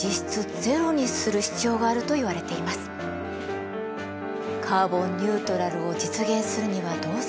カーボンニュートラルを実現するにはどうすればいいのか？